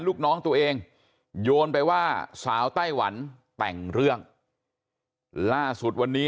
ลูกน้องตัวเองโยนไปว่าสาวไต้หวันแต่งเรื่องล่าสุดวันนี้